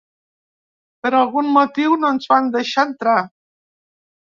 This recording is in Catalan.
Per algun motiu no ens van deixar entrar.